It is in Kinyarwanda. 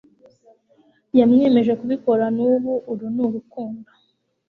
yamwemeje kubikora nub uru ni urukundo